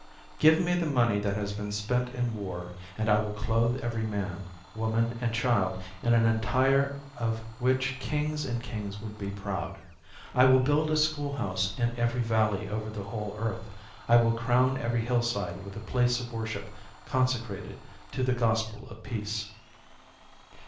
Give me the money that has been spent in war, and I will clothe every man, woman and child in an attire of which kings and queens would he proud. I will build a schoolhouse in every valley over the whole earth. I will crown every hill side with a place of worship consecrated to the gospel of peace.